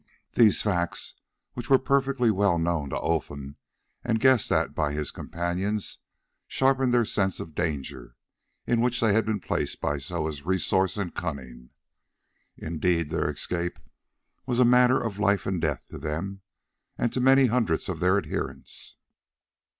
These facts, which were perfectly well known to Olfan and guessed at by his companions, sharpened their sense of the danger in which they had been placed by Soa's resource and cunning. Indeed, their escape was a matter of life and death to them and to many hundreds of their adherents.